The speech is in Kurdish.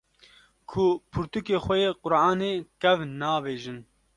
ku pirtûkê xwe yê Qur’anê kevn navêjin